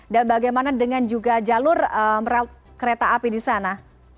dan bagaimana dengan juga jalur kereta api di sana